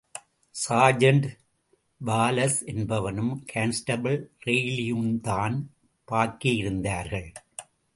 Sergeant Wallace என்பவனும், constable ரெய்லியுந்தான் பாக்கியிருந்தார்கள்.